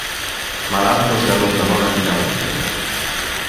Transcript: Ma l'altro si allontanò rapidamente.